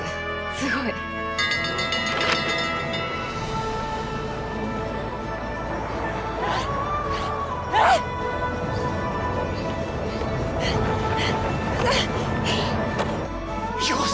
すごい！よし！